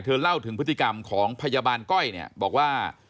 เธอเล่าถึงพฤติกรรมของพยาบาลก้อยบอกว่า